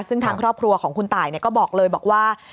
ซึ่งทางครอบครัวของคุณตายก็บอกเลยบอกว่า